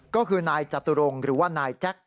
ก็คือนายจตุรงค์หรือว่านายแจ็ค